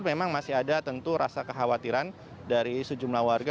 memang masih ada tentu rasa kekhawatiran dari sejumlah warga